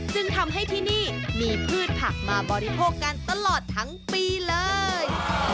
จึงทำให้ที่นี่มีพืชผักมาบริโภคกันตลอดทั้งปีเลย